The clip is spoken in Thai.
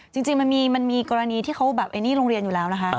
จริงมันมีกรณีที่เขาแบบไอ้นี่โรงเรียนอยู่แล้วนะคะ